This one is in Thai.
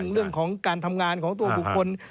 เรื่องของการทำงานของตัวบุคคล